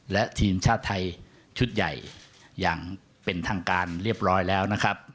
และทีมชาติไทยชุดใหญ่อย่างเป็นทางการเรียบร้อยแล้วนะครับ